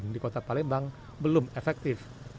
di kota palembang belum efektif